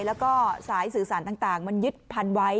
แล้วก็สายสื่อสารต่างมันยึดพันไว้